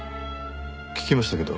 聞きましたけど。